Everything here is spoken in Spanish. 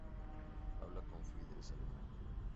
Habla con fluidez alemán.